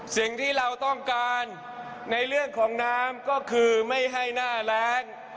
สิ่งที่เราต้องการในเรื่องของน้ำก็คือไม่ให้หน้าแรง